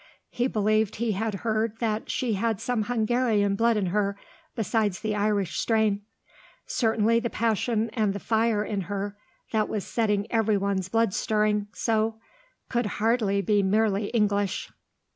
He believed he had heard that she had some Hungarian blood in her, besides the Irish strain. Certainly the passion and the fire in her, that was setting everyone's blood stirring so, could hardly be merely English.